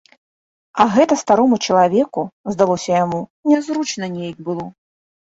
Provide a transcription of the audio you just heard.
А гэта старому чалавеку, здалося яму, нязручна нейк было.